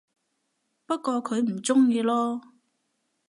不過佢唔鍾意囉